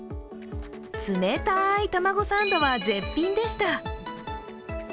冷たい卵サンドは絶品でした。